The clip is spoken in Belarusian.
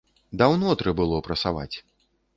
Даўно трэ было прасаваць.